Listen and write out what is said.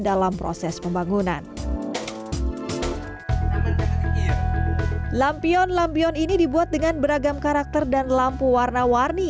dalam proses pembangunan lampion lampion ini dibuat dengan beragam karakter dan lampu warna warni